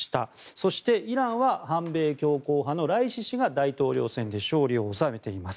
そして、イランは反米強硬派のライシ師が大統領選で勝利を収めています。